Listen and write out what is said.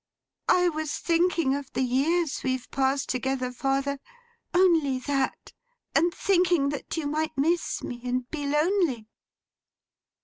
'I was thinking of the years we've passed together, father. Only that. And thinking that you might miss me, and be lonely.